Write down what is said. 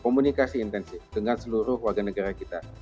komunikasi intensif dengan seluruh warga negara kita